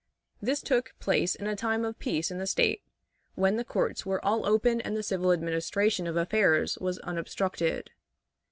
This took place in a time of peace in the State, when the courts were all open and the civil administration of affairs was unobstructed.